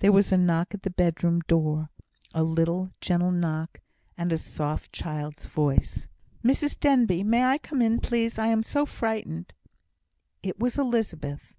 There was a knock at the bedroom door a little, gentle knock, and a soft child's voice. "Mrs Denbigh, may I come in, please? I am so frightened!" It was Elizabeth.